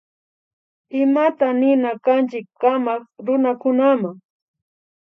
Imata nina kanchi kamak runakunama